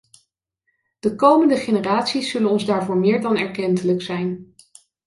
De komende generaties zullen ons daarvoor meer dan erkentelijk zijn.